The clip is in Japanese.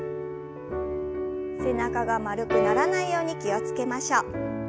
背中が丸くならないように気を付けましょう。